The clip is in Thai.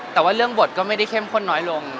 แต่ว่าเรื่องบทก็ไม่ได้เข้มข้นน้อยลง